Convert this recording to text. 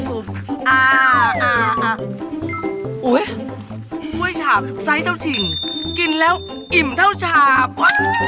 โอ้โหกล้วยฉาบไซส์เท่าชิงกินแล้วอิ่มเท่าฉาบ